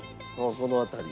この辺り。